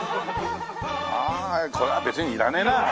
ああこれは別にいらねえな。